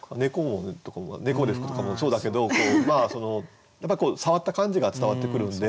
猫で拭くとかもそうだけど触った感じが伝わってくるんで。